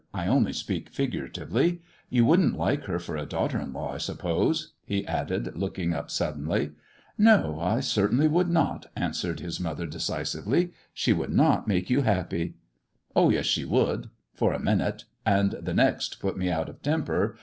I only speak figuratively. You wouldn't like her for a daughter in law, I suppose]" he added, looking up suddenly. " No, I certainly should not," answered his mother, decisively. " She would not make you happy." " Oh, yes, she would — for a minute, and the next put me out of temper.